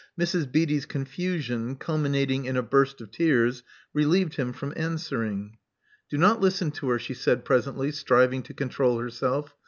Mrs. Beatty's confusion, culminating in a burst of tears, relieved him from answering. Do not listen to her, she said presently, striving to control herself.